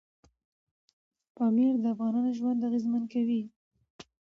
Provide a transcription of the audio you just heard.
پامیر د افغانانو ژوند اغېزمن کوي.